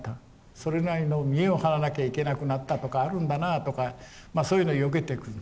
それなりの見栄を張らなきゃいけなくなったとかあるんだなとかまあそういうのをよけていく。